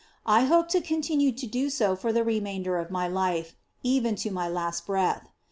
I hope to continue to do so for the remainder of my life, even to my last breath.